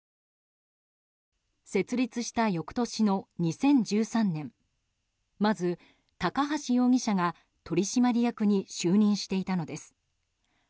設立した翌年の２０１３年まず、高橋容疑者が取締役に就任していたのです。